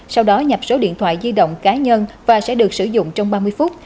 sau đó nhập số điện thoại di động cá nhân và sẽ được sử dụng trong ba mươi phút